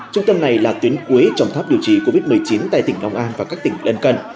trung tâm này là tuyến cuối trong tháp điều trị covid một mươi chín tại tỉnh long an và các tỉnh lân cận